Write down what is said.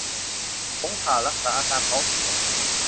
ผงถ่าน รักษาอาการท้องเสีย